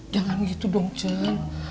jangan gitu dong cel